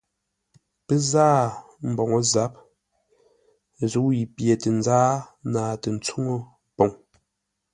Pə́ záa mboŋə́ zâp ə́ zə̂u yi pye tə nzáa naatə́ tsuŋə́ poŋ.